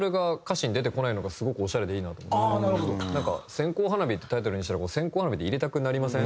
『線香花火』ってタイトルにしたら「線香花火」って入れたくなりません？